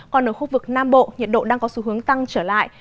còn ở khu vực nam bộ nhiệt độ đang có xu hướng tăng trở lại